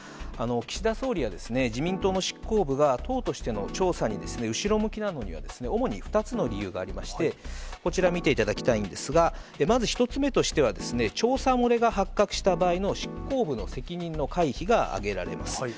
岸田総理は、自民党の執行部が、党としての調査に後ろ向きなのには、主に２つの理由がありまして、こちら見ていただきたいんですが、まず１つ目としては、調査漏れが発覚した場合の執行部の責任の回避が挙げられます。